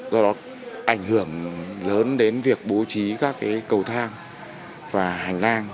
do đó ảnh hưởng lớn đến việc bố trí các cái cầu thang và hành lang